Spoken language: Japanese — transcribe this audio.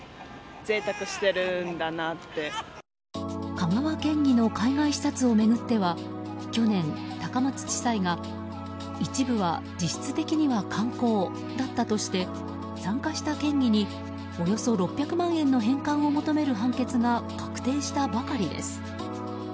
香川県議の海外視察を巡っては去年、高松地裁が一部は実質的には観光だったとして参加した県議におよそ６００万円の返還を求める判決が確定したばかりです。